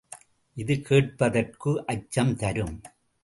இது கேட்பதற்கு அச்சம் தரும்.